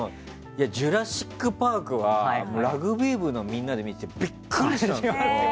「ジュラシック・パーク」はラグビー部のみんなで見てビックリしたんですよ。